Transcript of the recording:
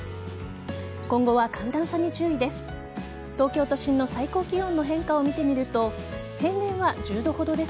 今後は、寒暖差に注意です。